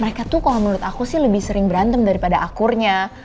mereka tuh kalau menurut aku sih lebih sering berantem daripada akurnya